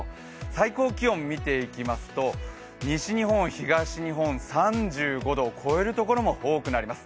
最高気温見ていきますと、西日本東日本、３５度を超えるところも多くなります。